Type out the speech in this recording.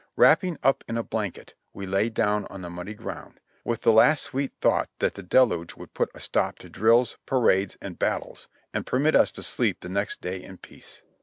Wrapping up in a blanket, we lay down on the muddy ground, with the last sweet thought that the deluge would put a stop to drills, parades and battles, and permit us to sleep the next day in peace.